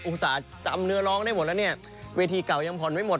อุตส่าห์จำเนื้อร้องได้หมดแล้วเนี่ยเวทีเก่ายังผ่อนไม่หมด